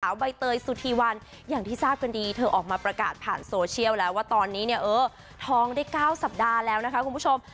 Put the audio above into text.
ใบเตยสุธีวันอย่างที่ทราบกันดีเธอออกมาประกาศผ่านโซเชียลแล้วว่าตอนนี้เนี่ยเออท้องได้๙สัปดาห์แล้วนะคะคุณผู้ชม